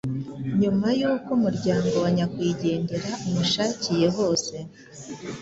Nyuma y’uko umuryango wa nyakwigendera umushakiye hose